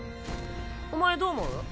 お前どう思う？